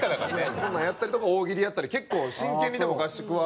こんなんやったりとか大喜利やったり結構真剣にでも合宿は。